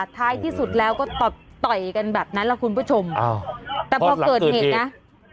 ท้ายที่สุดแล้วก็ต่อต่อยกันแบบนั้นล่ะคุณผู้ชมแต่พอเกิดเหตุนะ